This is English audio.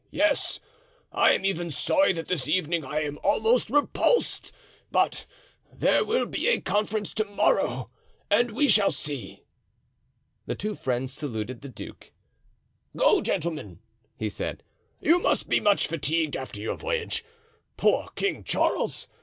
yes. I am even sorry that this evening I almost repulsed—but there will be a conference to morrow and we shall see." The two friends saluted the duke. "Go, gentlemen," he said; "you must be much fatigued after your voyage. Poor King Charles!